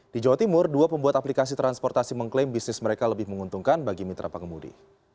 di jawa timur dua pembuat aplikasi transportasi mengklaim bisnis mereka lebih menguntungkan bagi mitra pengemudi